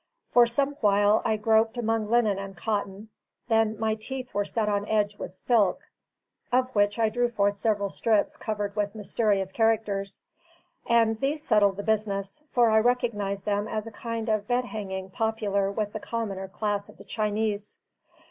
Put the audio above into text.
For some while I groped among linen and cotton. Then my teeth were set on edge with silk, of which I drew forth several strips covered with mysterious characters. And these settled the business, for I recognised them as a kind of bed hanging popular with the commoner class of the Chinese.